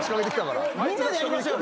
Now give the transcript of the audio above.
みんなでやりましょうよ